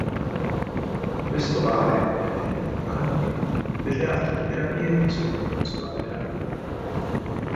Questo vale, ovviamente, anche, per le altre terapie di sostituzione della nicotina.